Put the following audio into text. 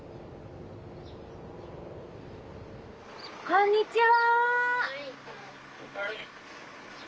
こんにちは。